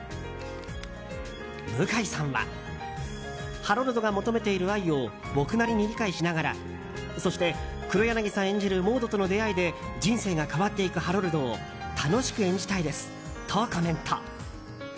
向井さんはハロルドが求めている愛を僕なりに理解しながらそして、黒柳さん演じるモードとの出会いで人生が変わっていくハロルドを楽しく演じたいですとコメント。